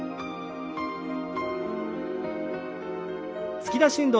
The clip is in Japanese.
突き出し運動。